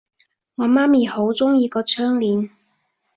我媽咪好鍾意個窗簾